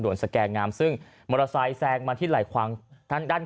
สแก่งามซึ่งมอเตอร์ไซค์แซงมาที่ไหล่ขวางทางด้าน